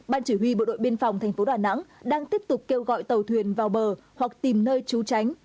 ban chỉ huy bộ đội biên phòng tp đà nẵng đang tiếp tục kêu gọi tàu thuyền vào bờ hoặc tìm nơi trú tránh